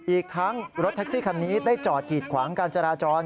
อีกทั้งรถแท็กซี่คันนี้ได้จอดกีดขวางการจราจร